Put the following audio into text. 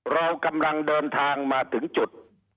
เรากำลังเดินทางมาถึงจุด